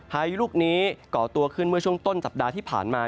พายุลูกนี้ก่อตัวขึ้นเมื่อช่วงต้นสัปดาห์ที่ผ่านมา